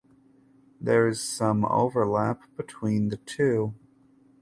There is some overlap between the two.